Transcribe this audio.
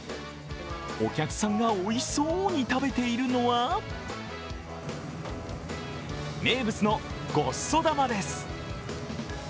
お客さんがおいしそうに食べているのは名物のごっそ玉です。